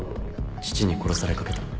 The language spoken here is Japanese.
父に殺されかけた